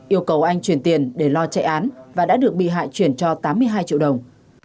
yêu cầu anh chuyển tiền để lo chạy án và đã được bị hại chuyển cho tám mươi hai triệu đồng